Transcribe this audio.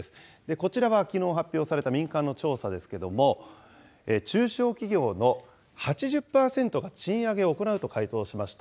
こちらはきのう発表された民間の調査ですけども、中小企業の８０％が賃上げを行うと回答しました。